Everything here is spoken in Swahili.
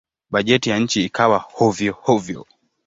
Bajeti ya nchi ikawa hovyo-hovyo.